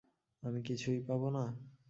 আমি কিছুই পাবো না?